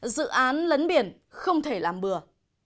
dự án lấn biển không thể làm bừa